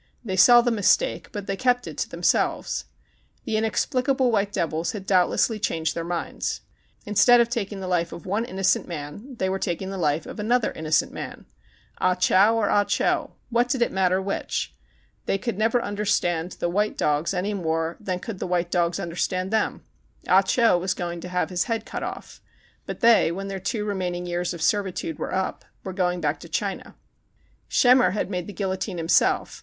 They saw the mistake; but they kept it to themselves. The inexplicable white devils had doubtlessly changed their minds. Instead of taking the life of one innocent man, they were taking the life of another innocent man. Ah Chow or Ah Cho ã what did it matter which ? They could never understand the white dogs THE CHINAGO 179 any more than could the white dogs understand them. Ah Cho was going to have his head cut off, but they, when their two remaining years of servitude were up, were going back to China. Schemmer had made the guillotine himself.